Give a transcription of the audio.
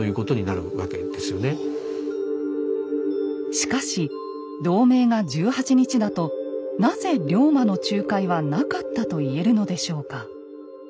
しかし同盟が１８日だとなぜ龍馬の仲介はなかったと言えるのでしょうか？